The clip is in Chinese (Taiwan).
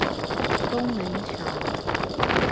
東門橋